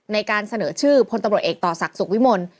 ในการเสนอชื่อพลตำรวจเอกต่อศักดิ์สุขวิมล